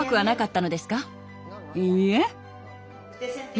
いいえ。